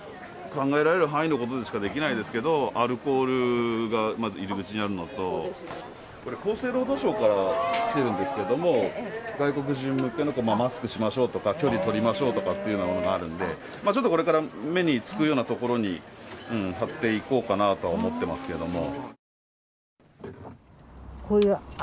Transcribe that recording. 考えられる範囲のことでしかできないですけど、アルコールがまず入り口にあるのと、これ、厚生労働省から来てるんですけど、外国人向けの、マスクしましょうとか、距離取りましょうとかっていうものがあるんで、ちょっとこれから目につくような所に貼っていこうかなと思ってますけども。